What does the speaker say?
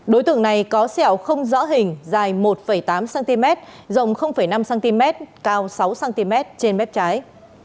đối tượng này có sẹo không rõ hình dài một tám cm rộng năm cm cao sáu cm trên mép trái